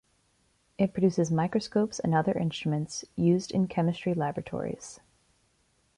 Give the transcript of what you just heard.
It produces microscopes and other instruments used in chemistry laboratories.